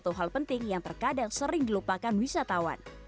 satu hal penting yang terkadang sering dilupakan wisatawan